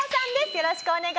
よろしくお願いします。